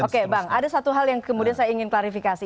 oke bang ada satu hal yang kemudian saya ingin klarifikasi